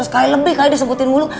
seratus kali lebih kali disebutin mulu